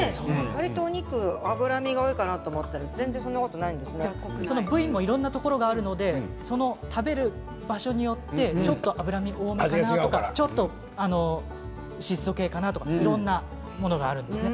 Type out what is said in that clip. お肉、脂身が多いかなと思ったら部位もいろいろなところがあるので食べる場所によって脂身が多かったりちょっと質素系かなとかいろいろあるんですね。